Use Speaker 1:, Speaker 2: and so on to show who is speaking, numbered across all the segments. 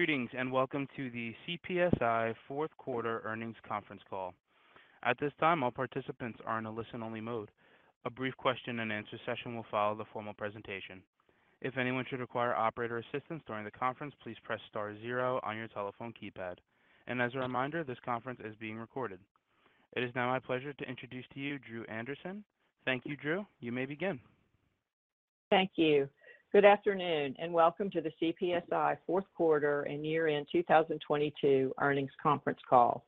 Speaker 1: Greetings, welcome to the CPSI fourth quarter earnings conference call. At this time, all participants are in a listen-only mode. A brief question and answer session will follow the formal presentation. If anyone should require operator assistance during the conference, please press star zero on your telephone keypad. As a reminder, this conference is being recorded. It is now my pleasure to introduce to you Dru Anderson. Thank you, Dru. You may begin.
Speaker 2: Thank you. Good afternoon, welcome to the CPSI fourth quarter and year-end 2022 earnings conference call.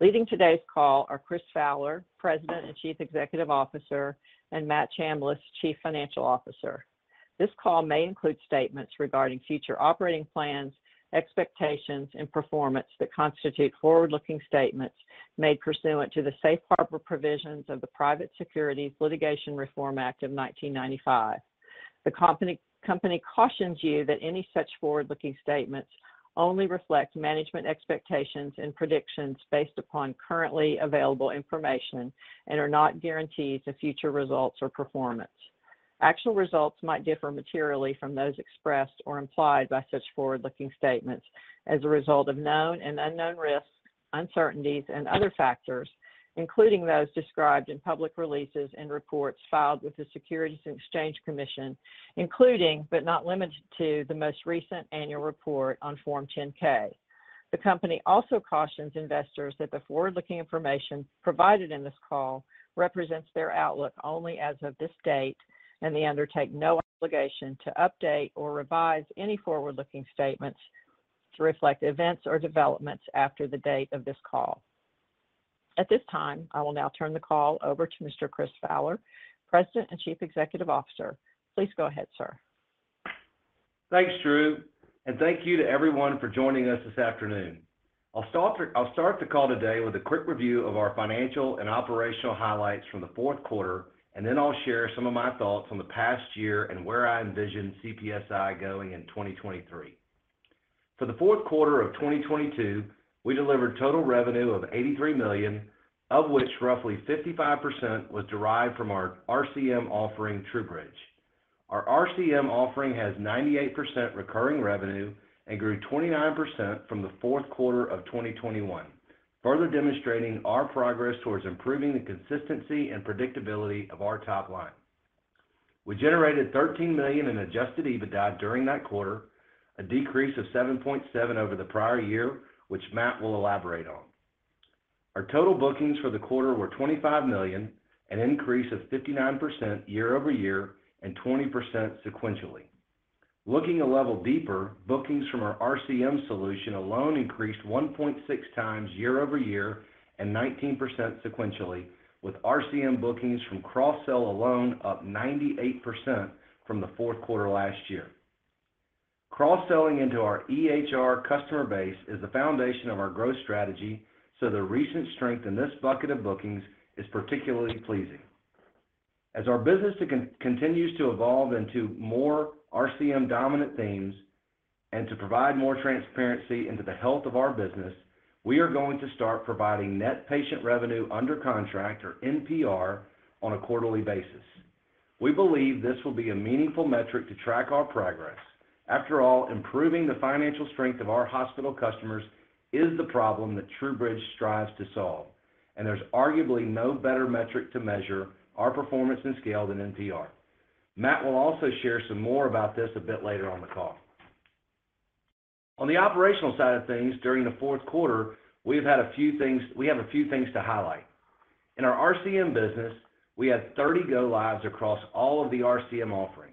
Speaker 2: Leading today's call are Chris Fowler, President and Chief Executive Officer, and Matt Chambless, Chief Financial Officer. This call may include statements regarding future operating plans, expectations, and performance that constitute forward-looking statements made pursuant to the safe harbor provisions of the Private Securities Litigation Reform Act of 1995. The company cautions you that any such forward-looking statements only reflect management expectations and predictions based upon currently available information and are not guarantees of future results or performance. Actual results might differ materially from those expressed or implied by such forward-looking statements as a result of known and unknown risks, uncertainties, and other factors, including those described in public releases and reports filed with the Securities and Exchange Commission, including, but not limited to, the most recent annual report on Form 10-K. The company also cautions investors that the forward-looking information provided in this call represents their outlook only as of this date, and they undertake no obligation to update or revise any forward-looking statements to reflect events or developments after the date of this call. At this time, I will now turn the call over to Mr. Chris Fowler, President and Chief Executive Officer. Please go ahead, sir.
Speaker 3: Thanks, Dru, and thank you to everyone for joining us this afternoon. I'll start the call today with a quick review of our financial and operational highlights from the fourth quarter, and then I'll share some of my thoughts on the past year and where I envision CPSI going in 2023. For the fourth quarter of 2022, we delivered total revenue of $83 million, of which roughly 55% was derived from our RCM offering, TruBridge. Our RCM offering has 98% recurring revenue and grew 29% from the fourth quarter of 2021, further demonstrating our progress towards improving the consistency and predictability of our top line. We generated $13 million in adjusted EBITDA during that quarter, a decrease of $7.7 over the prior year, which Matt will elaborate on. Our total bookings for the quarter were $25 million, an increase of 59% year-over-year and 20% sequentially. Looking a level deeper, bookings from our RCM solution alone increased 1.6 times year-over-year and 19% sequentially, with RCM bookings from cross-sell alone up 98% from the fourth quarter last year. Cross-selling into our EHR customer base is the foundation of our growth strategy, the recent strength in this bucket of bookings is particularly pleasing. As our business continues to evolve into more RCM dominant themes and to provide more transparency into the health of our business, we are going to start providing net patient revenue under contract, or NPR, on a quarterly basis. We believe this will be a meaningful metric to track our progress. Improving the financial strength of our hospital customers is the problem that TruBridge strives to solve, and there's arguably no better metric to measure our performance and scale than NPR. Matt will also share some more about this a bit later on the call. On the operational side of things, during the fourth quarter, we have a few things to highlight. In our RCM business, we had 30 go lives across all of the RCM offerings.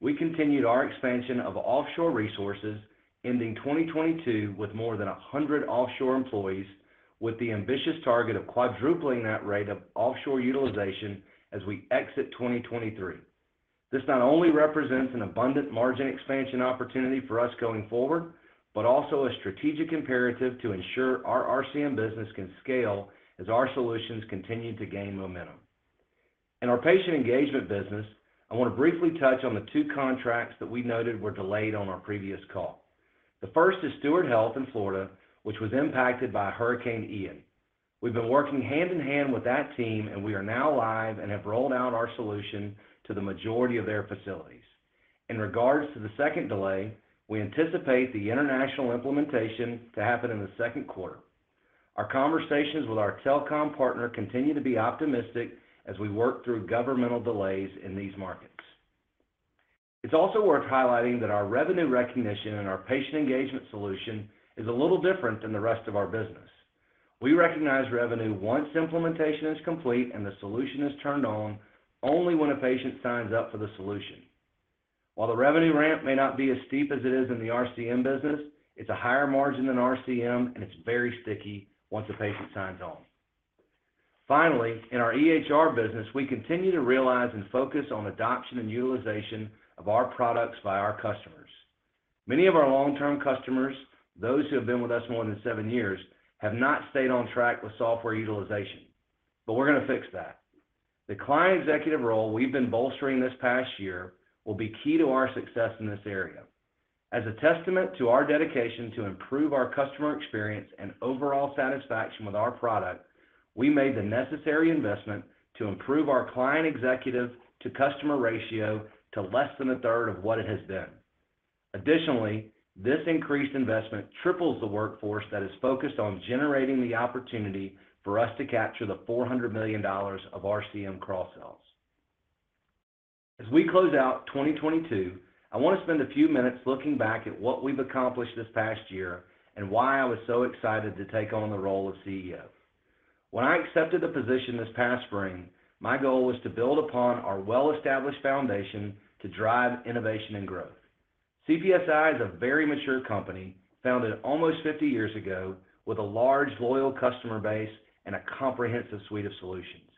Speaker 3: We continued our expansion of offshore resources, ending 2022 with more than 100 offshore employees, with the ambitious target of quadrupling that rate of offshore utilization as we exit 2023. This not only represents an abundant margin expansion opportunity for us going forward, but also a strategic imperative to ensure our RCM business can scale as our solutions continue to gain momentum. In our patient engagement business, I wanna briefly touch on the 2 contracts that we noted were delayed on our previous call. The first is Steward Health Care in Florida, which was impacted by Hurricane Ian. We've been working hand in hand with that team, and we are now live and have rolled out our solution to the majority of their facilities. In regards to the 2nd delay, we anticipate the international implementation to happen in the 2nd quarter. Our conversations with our telecom partner continue to be optimistic as we work through governmental delays in these markets. It's also worth highlighting that our revenue recognition in our patient engagement solution is a little different than the rest of our business. We recognize revenue once implementation is complete and the solution is turned on only when a patient signs up for the solution. While the revenue ramp may not be as steep as it is in the RCM business, it's a higher margin than RCM, and it's very sticky once a patient signs on. In our EHR business, we continue to realize and focus on adoption and utilization of our products by our customers. Many of our long-term customers, those who have been with us more than seven years, have not stayed on track with software utilization, but we're gonna fix that. The client executive role we've been bolstering this past year will be key to our success in this area. As a testament to our dedication to improve our customer experience and overall satisfaction with our product, we made the necessary investment to improve our client executive to customer ratio to less than a third of what it has been. Additionally, this increased investment triples the workforce that is focused on generating the opportunity for us to capture the $400 million of RCM cross-sells. As we close out 2022, I want to spend a few minutes looking back at what we've accomplished this past year and why I was so excited to take on the role of CEO. When I accepted the position this past spring, my goal was to build upon our well-established foundation to drive innovation and growth. CPSI is a very mature company, founded almost 50 years ago, with a large, loyal customer base and a comprehensive suite of solutions.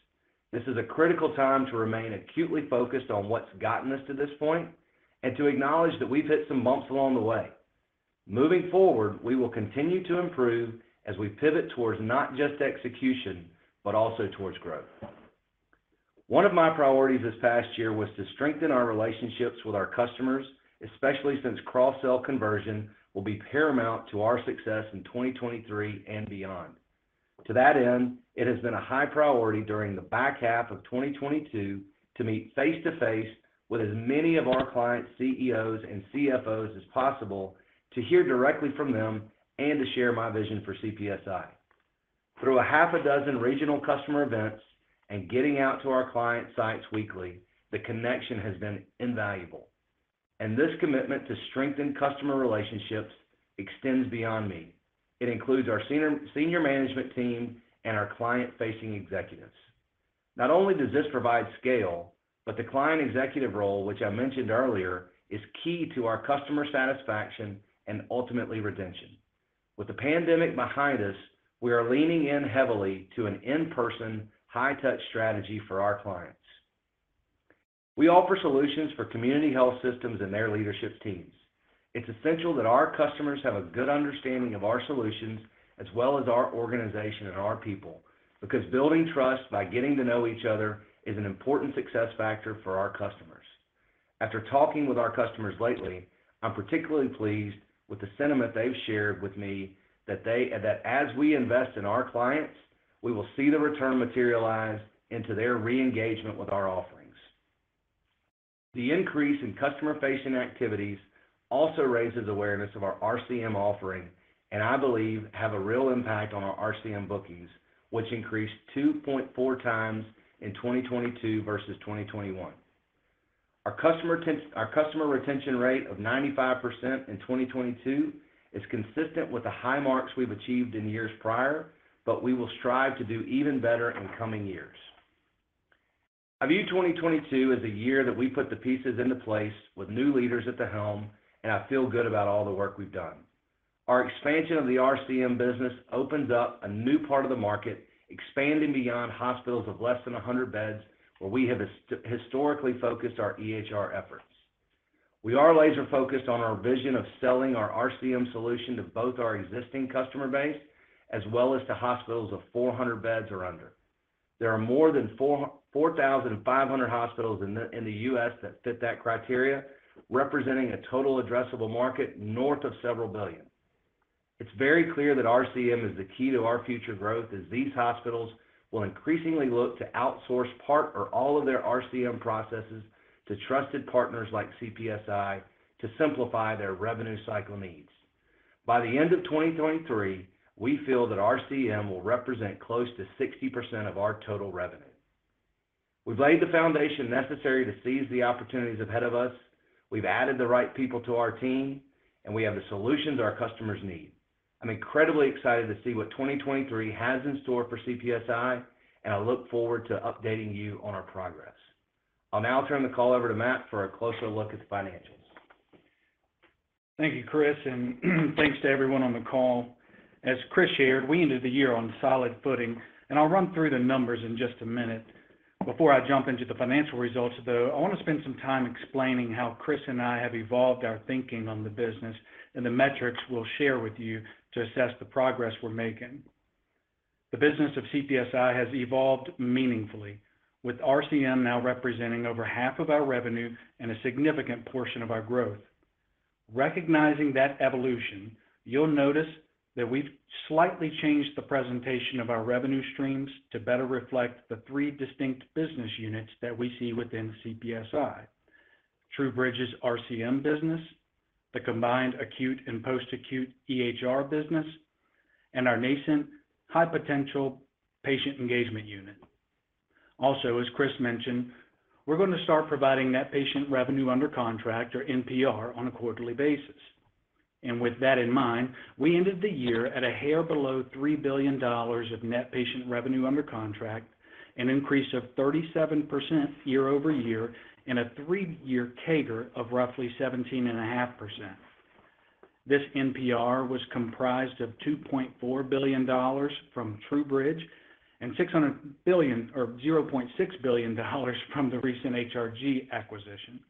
Speaker 3: This is a critical time to remain acutely focused on what's gotten us to this point and to acknowledge that we've hit some bumps along the way. Moving forward, we will continue to improve as we pivot towards not just execution, but also towards growth. One of my priorities this past year was to strengthen our relationships with our customers, especially since cross-sell conversion will be paramount to our success in 2023 and beyond. To that end, it has been a high priority during the back half of 2022 to meet face-to-face with as many of our clients' CEOs and CFOs as possible to hear directly from them and to share my vision for CPSI. Through a half a dozen regional customer events and getting out to our client sites weekly, the connection has been invaluable. This commitment to strengthen customer relationships extends beyond me. It includes our senior management team and our client-facing executives. Not only does this provide scale, but the client executive role, which I mentioned earlier, is key to our customer satisfaction and ultimately retention. With the pandemic behind us, we are leaning in heavily to an in-person, high-touch strategy for our clients. We offer solutions for community health systems and their leadership teams. It's essential that our customers have a good understanding of our solutions as well as our organization and our people because building trust by getting to know each other is an important success factor for our customers. After talking with our customers lately, I'm particularly pleased with the sentiment they've shared with me that as we invest in our clients, we will see the return materialize into their re-engagement with our offerings. The increase in customer-facing activities also raises awareness of our RCM offering, and I believe have a real impact on our RCM bookings, which increased 2.4 times in 2022 versus 2021. Our customer retention rate of 95% in 2022 is consistent with the high marks we've achieved in years prior, but we will strive to do even better in coming years. I view 2022 as a year that we put the pieces into place with new leaders at the helm, and I feel good about all the work we've done. Our expansion of the RCM business opens up a new part of the market, expanding beyond hospitals of less than 100 beds, where we have historically focused our EHR efforts. We are laser-focused on our vision of selling our RCM solution to both our existing customer base as well as to hospitals of 400 beds or under. There are more than 4,500 hospitals in the U.S. that fit that criteria, representing a total addressable market north of several billion. It's very clear that RCM is the key to our future growth as these hospitals will increasingly look to outsource part or all of their RCM processes to trusted partners like CPSI to simplify their revenue cycle needs. By the end of 2023, we feel that RCM will represent close to 60% of our total revenue. We've laid the foundation necessary to seize the opportunities ahead of us. We've added the right people to our team. We have the solutions our customers need. I'm incredibly excited to see what 2023 has in store for CPSI, and I look forward to updating you on our progress. I'll now turn the call over to Matt for a closer look at the financials.
Speaker 4: Thank you, Chris. Thanks to everyone on the call. As Chris shared, we ended the year on solid footing, and I'll run through the numbers in just a minute. Before I jump into the financial results, though, I want to spend some time explaining how Chris and I have evolved our thinking on the business and the metrics we'll share with you to assess the progress we're making. The business of CPSI has evolved meaningfully, with RCM now representing over half of our revenue and a significant portion of our growth. Recognizing that evolution, you'll notice that we've slightly changed the presentation of our revenue streams to better reflect the three distinct business units that we see within CPSI: TruBridge's RCM business, the combined acute and post-acute EHR business, and our nascent high-potential patient engagement unit. As Chris mentioned, we're going to start providing net patient revenue under contract, or NPR, on a quarterly basis. With that in mind, we ended the year at a hair below $3 billion of net patient revenue under contract, an increase of 37% year-over-year and a 3-year CAGR of roughly 17.5%. This NPR was comprised of $2.4 billion from TruBridge and $0.6 billion from the recent HRG acquisition.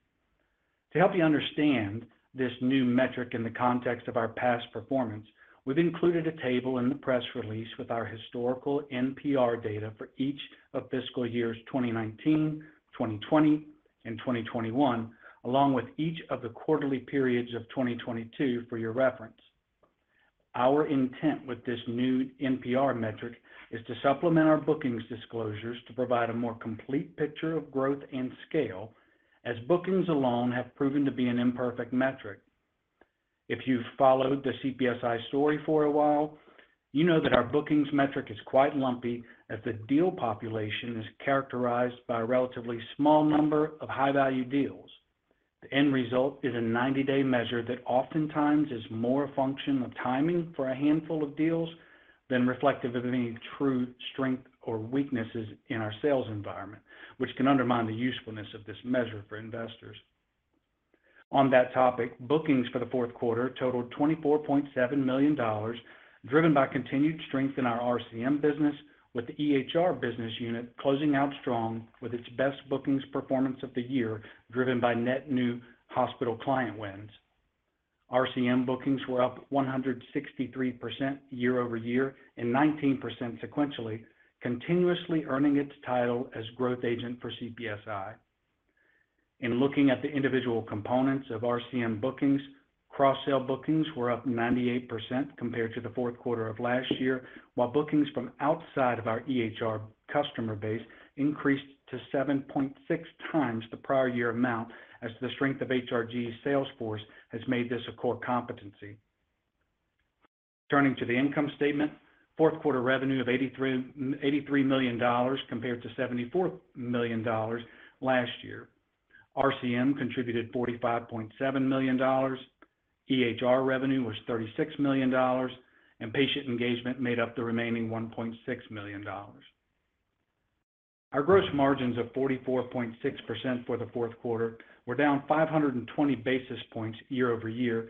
Speaker 4: To help you understand this new metric in the context of our past performance, we've included a table in the press release with our historical NPR data for each of fiscal years 2019, 2020, and 2021, along with each of the quarterly periods of 2022 for your reference. Our intent with this new NPR metric is to supplement our bookings disclosures to provide a more complete picture of growth and scale as bookings alone have proven to be an imperfect metric. If you've followed the CPSI story for a while, you know that our bookings metric is quite lumpy as the deal population is characterized by a relatively small number of high-value deals. The end result is a 90-day measure that oftentimes is more a function of timing for a handful of deals than reflective of any true strength or weaknesses in our sales environment, which can undermine the usefulness of this measure for investors. On that topic, bookings for the fourth quarter totaled $24.7 million, driven by continued strength in our RCM business, with the EHR business unit closing out strong with its best bookings performance of the year, driven by net new hospital client wins. RCM bookings were up 163% year-over-year and 19% sequentially, continuously earning its title as growth agent for CPSI. In looking at the individual components of RCM bookings, cross-sale bookings were up 98% compared to the fourth quarter of last year, while bookings from outside of our EHR customer base increased to 7.6 times the prior year amount as the strength of HRG's sales force has made this a core competency. Turning to the income statement, fourth quarter revenue of $83 million compared to $74 million last year. RCM contributed $45.7 million, EHR revenue was $36 million, and patient engagement made up the remaining $1.6 million. Our gross margins of 44.6% for the fourth quarter were down 520 basis points year-over-year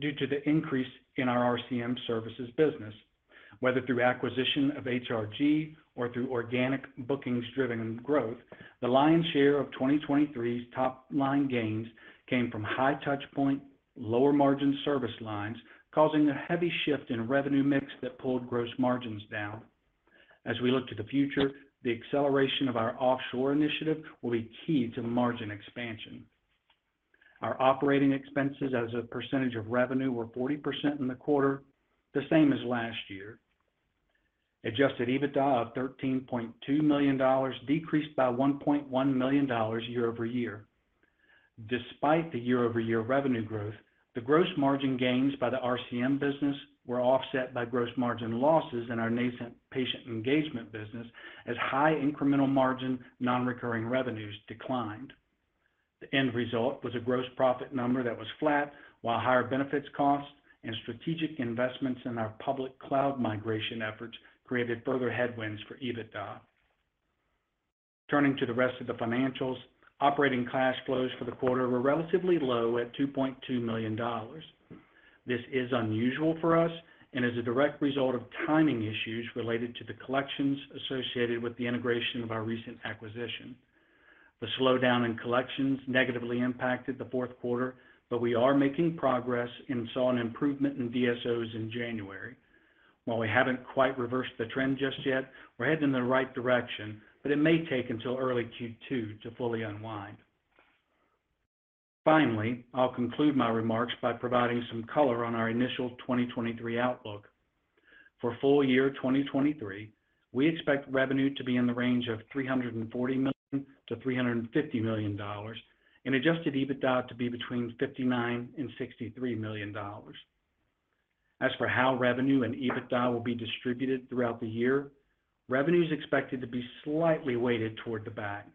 Speaker 4: due to the increase in our RCM services business. Whether through acquisition of HRG or through organic bookings-driven growth, the lion's share of 2023's top-line gains came from high touch point, lower margin service lines, causing a heavy shift in revenue mix that pulled gross margins down. As we look to the future, the acceleration of our offshore initiative will be key to margin expansion. Our operating expenses as a percentage of revenue were 40% in the quarter, the same as last year. adjusted EBITDA of $13.2 million decreased by $1.1 million year-over-year. Despite the year-over-year revenue growth, the gross margin gains by the RCM business were offset by gross margin losses in our nascent patient engagement business as high incremental margin non-recurring revenues declined. The end result was a gross profit number that was flat while higher benefits costs and strategic investments in our public cloud migration efforts created further headwinds for EBITDA. Turning to the rest of the financials, operating cash flows for the quarter were relatively low at $2.2 million. This is unusual for us and is a direct result of timing issues related to the collections associated with the integration of our recent acquisition. The slowdown in collections negatively impacted the fourth quarter, but we are making progress and saw an improvement in DSOs in January. While we haven't quite reversed the trend just yet, we're heading in the right direction, but it may take until early Q2 to fully unwind. Finally, I'll conclude my remarks by providing some color on our initial 2023 outlook. For full year 2023, we expect revenue to be in the range of $340 million-$350 million and adjusted EBITDA to be between $59 million and $63 million. As for how revenue and EBITDA will be distributed throughout the year, revenue is expected to be slightly weighted toward the back.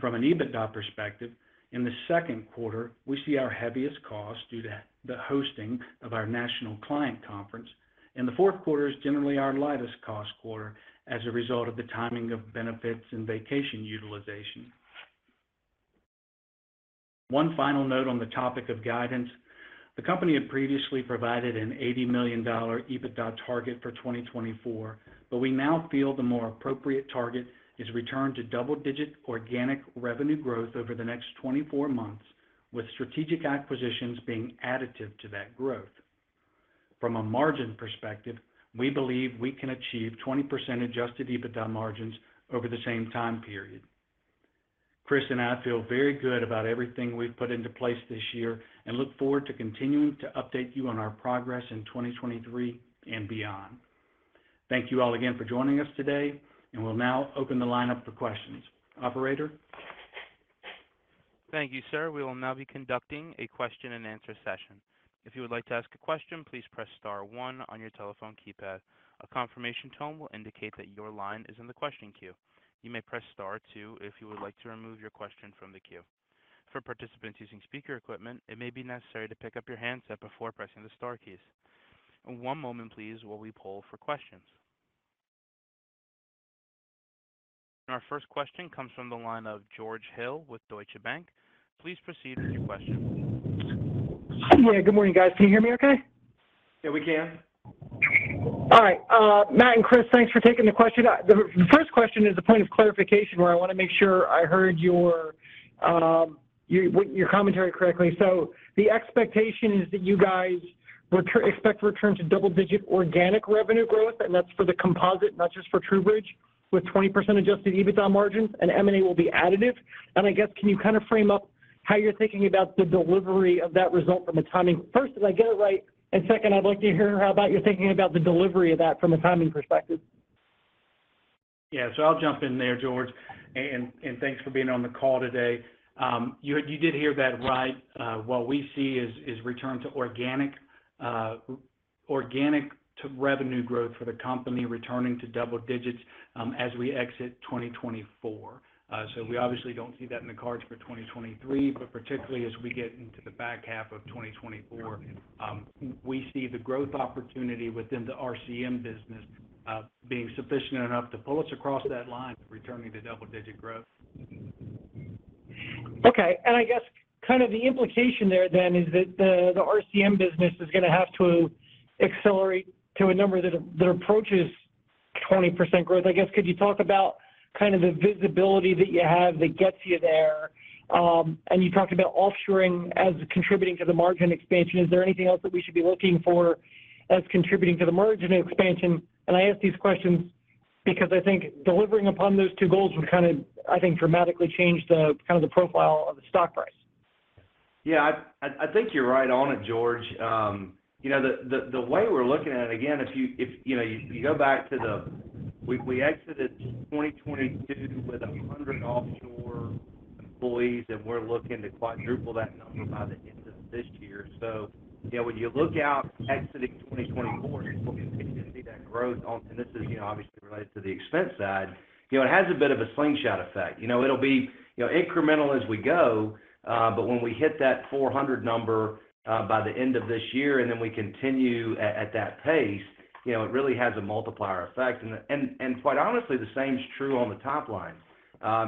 Speaker 4: From an EBITDA perspective, in the second quarter, we see our heaviest cost due to the hosting of our national client conference, and the fourth quarter is generally our lightest cost quarter as a result of the timing of benefits and vacation utilization. One final note on the topic of guidance. The company had previously provided an $80 million EBITDA target for 2024. We now feel the more appropriate target is return to double-digit organic revenue growth over the next 24 months, with strategic acquisitions being additive to that growth. From a margin perspective, we believe we can achieve 20% adjusted EBITDA margins over the same time period. Chris and I feel very good about everything we've put into place this year and look forward to continuing to update you on our progress in 2023 and beyond. Thank you all again for joining us today. We'll now open the line up for questions. Operator?
Speaker 1: Thank you, sir. We will now be conducting a question and answer session. If you would like to ask a question, please press star one on your telephone keypad. A confirmation tone will indicate that your line is in the question queue. You may press star two if you would like to remove your question from the queue. For participants using speaker equipment, it may be necessary to pick up your handset before pressing the star keys. One moment please while we poll for questions. Our first question comes from the line of George Hill with Deutsche Bank. Please proceed with your question.
Speaker 5: Yeah. Good morning, guys. Can you hear me okay?
Speaker 1: Yeah, we can.
Speaker 5: All right. Matt and Chris, thanks for taking the question. The first question is a point of clarification where I wanna make sure I heard your commentary correctly. The expectation is that you guys expect return to double-digit organic revenue growth, and that's for the composite, not just for TruBridge, with 20% adjusted EBITDA margins, and M&A will be additive. I guess, can you kind of frame up How you're thinking about the delivery of that result from a timing. First, did I get it right? Second, I'd like to hear how about you're thinking about the delivery of that from a timing perspective.
Speaker 3: Yeah. I'll jump in there, George, and thanks for being on the call today. You did hear that right. What we see is return to organic to revenue growth for the company returning to double digits as we exit 2024. We obviously don't see that in the cards for 2023, but particularly as we get into the back half of 2024, we see the growth opportunity within the RCM business being sufficient enough to pull us across that line of returning to double-digit growth.
Speaker 5: Okay. I guess kind of the implication there then is that the RCM business is gonna have to accelerate to a number that approaches 20% growth. I guess, could you talk about kind of the visibility that you have that gets you there? You talked about offshoring as contributing to the margin expansion. Is there anything else that we should be looking for as contributing to the margin expansion? I ask these questions because I think delivering upon those two goals would, I think, dramatically change the kind of the profile of the stock price.
Speaker 3: Yeah. I think you're right on it, George. you know, the way we're looking at it, again, if you know, you go back to we exited 2022 with 100 offshore employees, and we're looking to quadruple that number by the end of this year. you know, when you look out exiting 2024 and looking to see that growth on, and this is, you know, obviously related to the expense side, you know, it has a bit of a slingshot effect. You know, it'll be, you know, incremental as we go, but when we hit that 400 number by the end of this year and then we continue at that pace, you know, it really has a multiplier effect. quite honestly, the same is true on the top line.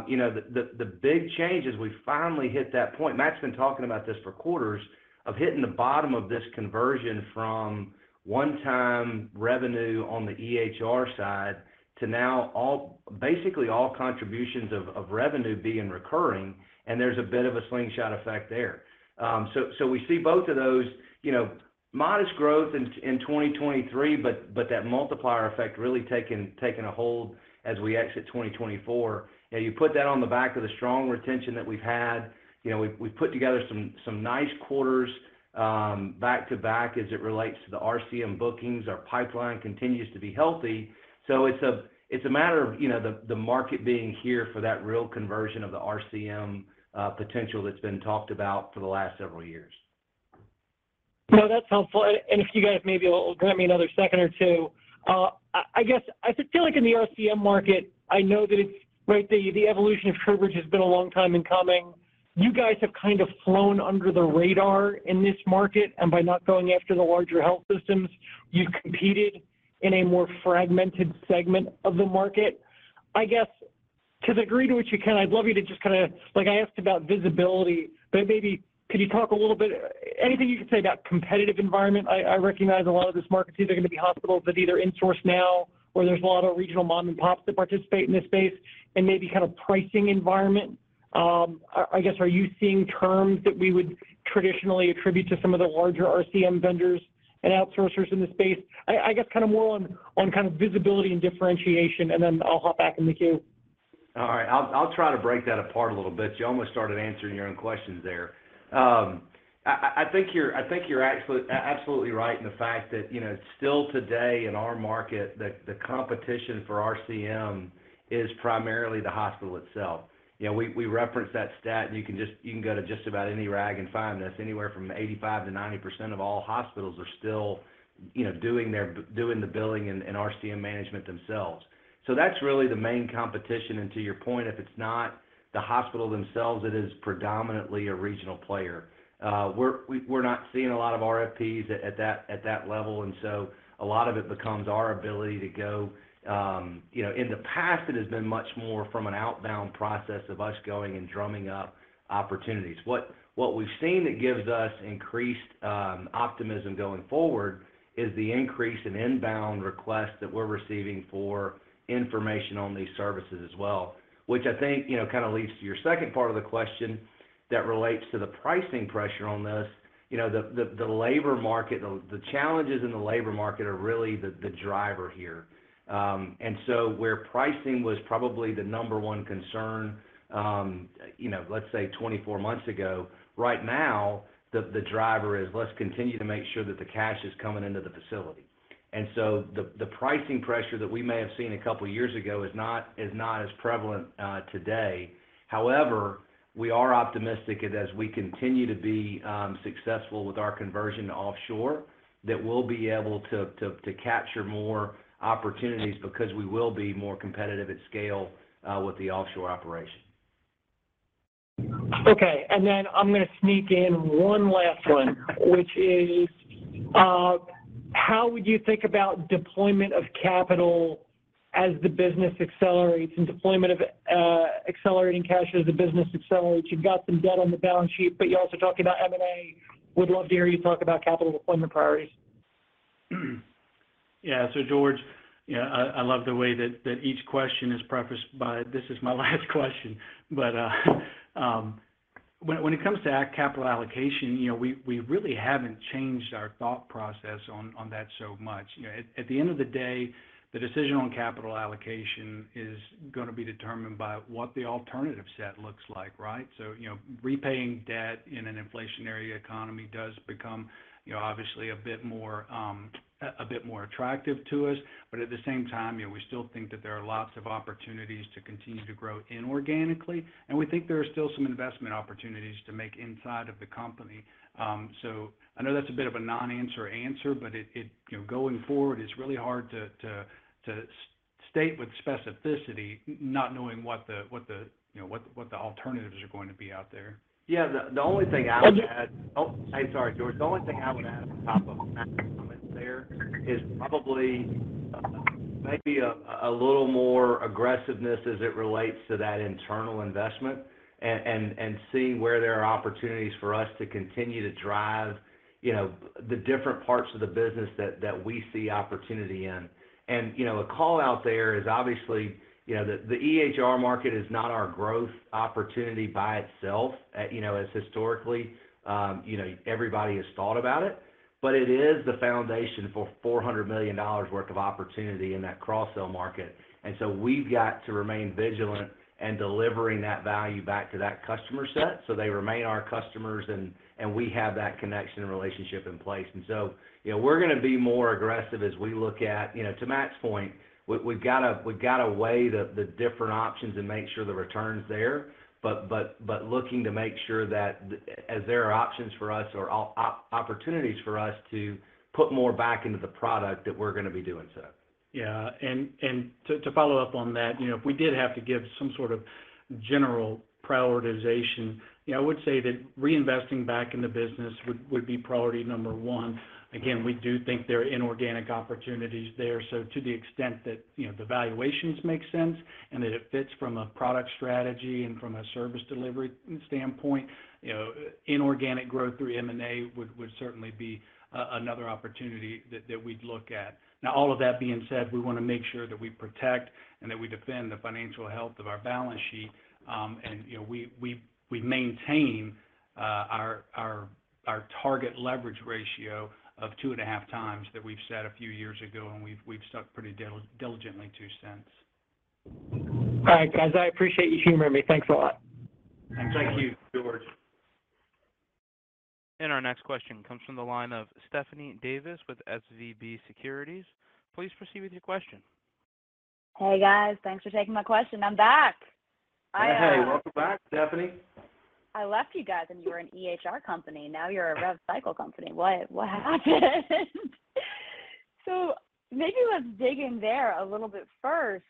Speaker 3: You know, the big change is we finally hit that point, Matt's been talking about this for quarters, of hitting the bottom of this conversion from one-time revenue on the EHR side to now basically all contributions of revenue being recurring, and there's a bit of a slingshot effect there. We see both of those, you know, modest growth in 2023, but that multiplier effect really taking a hold as we exit 2024. You know, you put that on the back of the strong retention that we've had. You know, we've put together some nice quarters back to back as it relates to the RCM bookings. Our pipeline continues to be healthy. It's a matter of, you know, the market being here for that real conversion of the RCM potential that's been talked about for the last several years.
Speaker 5: No, that's helpful. If you guys maybe grant me another second or two, I guess I feel like in the RCM market, I know that it's, right, the evolution of coverage has been a long time in coming. You guys have kind of flown under the radar in this market, and by not going after the larger health systems, you've competed in a more fragmented segment of the market. I guess to the degree to which you can, I'd love you to just Like I asked about visibility, but maybe could you talk a little bit, anything you could say about competitive environment? I recognize a lot of this market, too. They're gonna be hospitals that either insource now, or there's a lot of regional mom and pops that participate in this space and maybe kind of pricing environment. I guess, are you seeing terms that we would traditionally attribute to some of the larger RCM vendors and outsourcers in the space. I guess kind of more on kind of visibility and differentiation, and then I'll hop back in the queue.
Speaker 3: All right. I'll try to break that apart a little bit. You almost started answering your own questions there. I think you're absolutely right in the fact that, you know, still today in our market, the competition for RCM is primarily the hospital itself. You know, we referenced that stat, and you can go to just about any rag and find this. Anywhere from 85%-90% of all hospitals are still, you know, doing the billing and RCM management themselves. That's really the main competition. To your point, if it's not the hospital themselves, it is predominantly a regional player. We're not seeing a lot of RFPs at that level, a lot of it becomes our ability to go. You know, in the past, it has been much more from an outbound process of us going and drumming up opportunities. What we've seen that gives us increased optimism going forward is the increase in inbound requests that we're receiving for information on these services as well, which I think, you know, kinda leads to your second part of the question that relates to the pricing pressure on this. You know, the, the labor market, the challenges in the labor market are really the driver here. And so where pricing was probably the number one concern, you know, let's say 24 months ago, right now, the driver is let's continue to make sure that the cash is coming into the facility. The pricing pressure that we may have seen a couple years ago is not as prevalent today. However, we are optimistic that as we continue to be successful with our conversion to offshore, that we'll be able to capture more opportunities because we will be more competitive at scale with the offshore operation.
Speaker 5: Okay. Then I'm gonna sneak in one last one, which is, how would you think about deployment of capital as the business accelerates and deployment of accelerating cash as the business accelerates? You've got some debt on the balance sheet, but you're also talking about M&A. Would love to hear you talk about capital deployment priorities.
Speaker 4: Yeah. George, yeah, I love the way that each question is prefaced by, "This is my last question." When it comes to our capital allocation, you know, we really haven't changed our thought process on that so much. You know, at the end of the day, the decision on capital allocation is gonna be determined by what the alternative set looks like, right? You know, repaying debt in an inflationary economy does become, you know, obviously a bit more, a bit more attractive to us. At the same time, you know, we still think that there are lots of opportunities to continue to grow inorganically, and we think there are still some investment opportunities to make inside of the company. I know that's a bit of a non-answer answer, but it... You know, going forward, it's really hard to state with specificity not knowing what the, you know, what the alternatives are going to be out there.
Speaker 3: Yeah. The only thing I would add-
Speaker 5: Oh, George.
Speaker 3: Oh, hey, sorry, George. The only thing I would add on top of Matt Chambless' comments there is probably a little more aggressiveness as it relates to that internal investment and seeing where there are opportunities for us to continue to drive, you know, the different parts of the business that we see opportunity in. You know, a call out there is obviously, you know, the EHR market is not our growth opportunity by itself, you know, as historically, you know, everybody has thought about it. It is the foundation for $400 million worth of opportunity in that cross-sell market. We've got to remain vigilant in delivering that value back to that customer set so they remain our customers and we have that connection and relationship in place. You know, we're gonna be more aggressive as we look at. You know, to Matt's point, we've got to weigh the different options and make sure the return's there, but looking to make sure that as there are options for us or opportunities for us to put more back into the product that we're gonna be doing so.
Speaker 4: Yeah. To follow up on that, you know, if we did have to give some sort of general prioritization, you know, I would say that reinvesting back in the business would be priority number one. Again, we do think there are inorganic opportunities there. To the extent that, you know, the valuations make sense and that it fits from a product strategy and from a service delivery standpoint, you know, inorganic growth through M&A would certainly be another opportunity that we'd look at. All of that being said, we wanna make sure that we protect and that we defend the financial health of our balance sheet, and you know, we maintain our target leverage ratio of 2.5 times that we've set a few years ago and we've stuck pretty diligently to since.
Speaker 5: All right, guys. I appreciate you humoring me. Thanks a lot.
Speaker 3: Thank you.
Speaker 4: Thank you, George.
Speaker 1: Our next question comes from the line of Stephanie Davis with SVB Securities. Please proceed with your question.
Speaker 6: Hey, guys. Thanks for taking my question. I'm back. I,
Speaker 3: Hey, welcome back, Stephanie.
Speaker 6: I left you guys and you were an EHR company. Now you're a rev cycle company. What? What happened? Maybe let's dig in there a little bit first.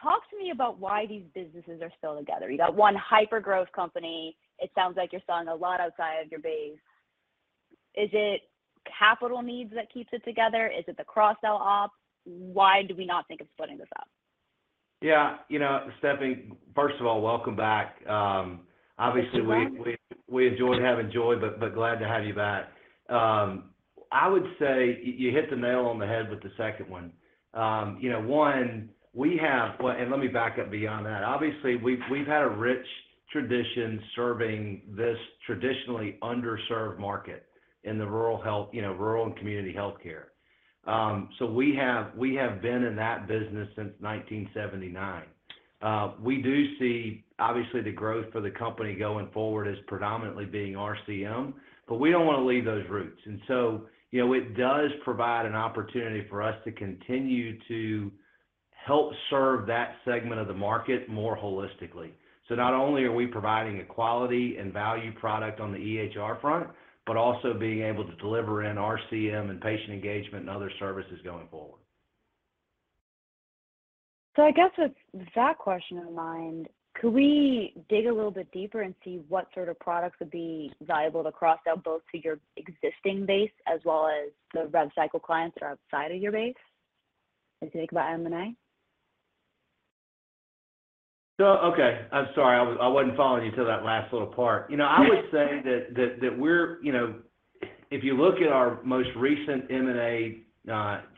Speaker 6: Talk to me about why these businesses are still together. You got one hypergrowth company. It sounds like you're selling a lot outside of your base. Is it capital needs that keeps it together? Is it the cross-sell op? Why do we not think of splitting this up?
Speaker 3: Yeah, you know, Stephanie, first of all, welcome back.
Speaker 6: Thank you....
Speaker 3: we enjoyed having Joy, but glad to have you back. I would say you hit the nail on the head with the second one. You know, one, let me back up beyond that. Obviously, we've had a rich tradition serving this traditionally underserved market in the rural health, you know, rural and community healthcare. We have been in that business since 1979. We do see obviously the growth for the company going forward as predominantly being RCM, but we don't wanna leave those roots. You know, it does provide an opportunity for us to continue to help serve that segment of the market more holistically. Not only are we providing a quality and value product on the EHR front, but also being able to deliver in RCM and patient engagement and other services going forward.
Speaker 6: I guess with that question in mind, could we dig a little bit deeper and see what sort of products would be valuable to cross-sell both to your existing base as well as the rev cycle clients that are outside of your base as you think about M&A?
Speaker 3: Okay. I'm sorry. I wasn't following you till that last little part.
Speaker 6: Yeah.
Speaker 3: You know, I would say that we're. You know, if you look at our most recent M&A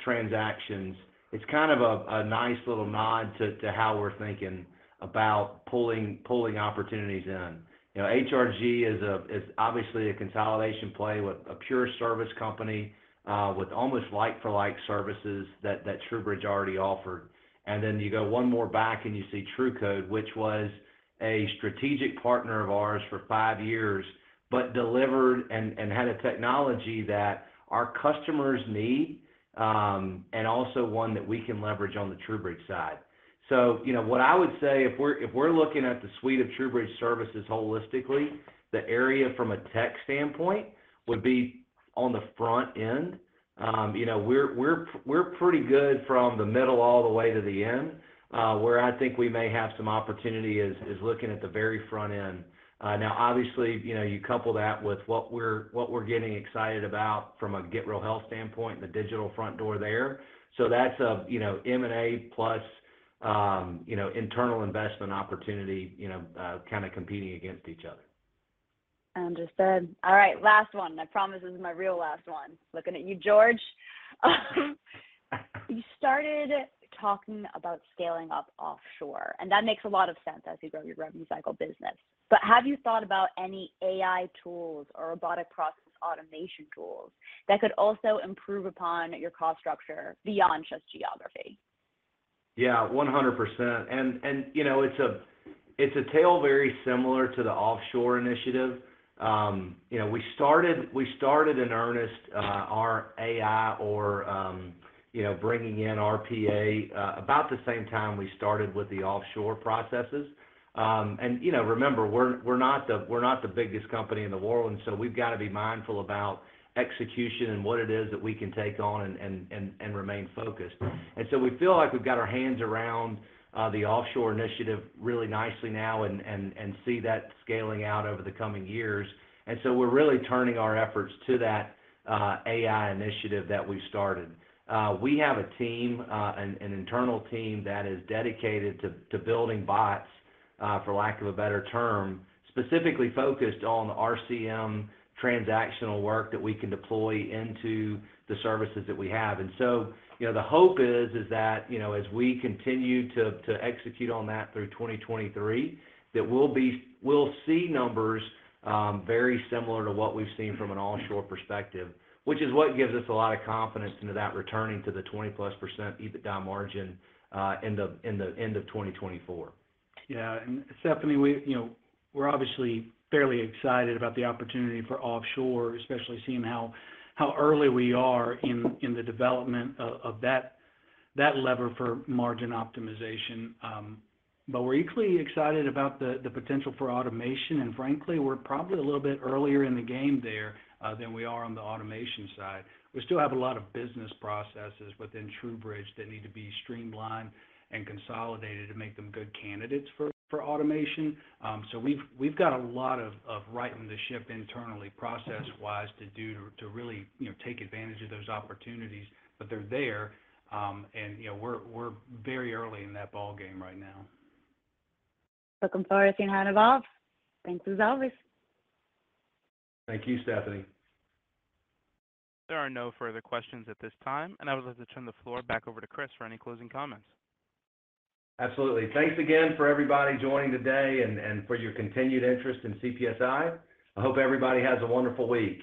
Speaker 3: transactions, it's kind of a nice little nod to how we're thinking about pulling opportunities in. You know, HRG is obviously a consolidation play with a pure service company, with almost like-for-like services that TruBridge already offered. You go one more back and you see TruCode, which was a strategic partner of ours for five years, but delivered and had a technology that our customers need, and also one that we can leverage on the TruBridge side. You know what I would say, if we're looking at the suite of TruBridge services holistically, the area from a tech standpoint would be on the front end. You know, we're pretty good from the middle all the way to the end. Where I think we may have some opportunity is looking at the very front end. Now obviously, you know, you couple that with what we're getting excited about from a Get Real Health standpoint and the digital front door there. That's a, you know, M&A plus, you know, internal investment opportunity, you know, competing against each other.
Speaker 6: Understood. All right, last one. I promise this is my real last one. Looking at you, George. You started talking about scaling up offshore, and that makes a lot of sense as you grow your revenue cycle business. Have you thought about any AI tools or robotic process automation tools that could also improve upon your cost structure beyond just geography?
Speaker 3: Yeah, 100%. You know, it's a tale very similar to the offshore initiative. You know, we started in earnest, our AI or, you know, bringing in RPA, about the same time we started with the offshore processes. You know, remember, we're not the biggest company in the world, and so we've got to be mindful about execution and what it is that we can take on and remain focused. We feel like we've got our hands around the offshore initiative really nicely now and see that scaling out over the coming years. We're really turning our efforts to that AI initiative that we started. We have a team, an internal team that is dedicated to building bots, for lack of a better term, specifically focused on RCM transactional work that we can deploy into the services that we have. You know, the hope is that, you know, as we continue to execute on that through 2023, that we'll see numbers very similar to what we've seen from an onshore perspective, which is what gives us a lot of confidence into that returning to the 20-plus % EBITDA margin end of 2024.
Speaker 4: Yeah. Stephanie, we, you know, we're obviously fairly excited about the opportunity for offshore, especially seeing how early we are in the development of that lever for margin optimization. We're equally excited about the potential for automation. Frankly, we're probably a little bit earlier in the game there than we are on the automation side. We still have a lot of business processes within TruBridge that need to be streamlined and consolidated to make them good candidates for automation. We've got a lot of righting the ship internally process-wise to do to really, you know, take advantage of those opportunities. They're there, you know, we're very early in that ballgame right now.
Speaker 6: Looking forward to seeing how it evolves. Thanks as always.
Speaker 3: Thank you, Stephanie.
Speaker 1: There are no further questions at this time, and I would like to turn the floor back over to Chris for any closing comments.
Speaker 3: Absolutely. Thanks again for everybody joining today and for your continued interest in CPSI. I hope everybody has a wonderful week.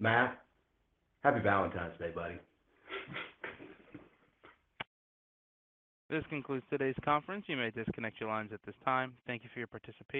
Speaker 3: Matt, happy Valentine's Day, buddy.
Speaker 1: This concludes today's conference. You may disconnect your lines at this time. Thank you for your participation.